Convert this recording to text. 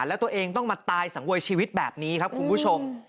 แล้วตัวเองต้องมาตายสังเวยชีวิตแบบนี้ครับคุณผู้ชม